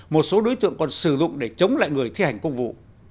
một số đối tượng còn sử dụng để chống lại người thi hành công vụ